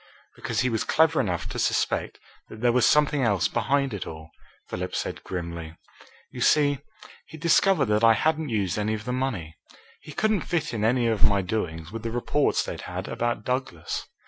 "Because he was clever enough to suspect that there was something else behind it all," Philip said grimly. "You see, he'd discovered that I hadn't used any of the money. He couldn't fit in any of my doings with the reports they'd had about Douglas.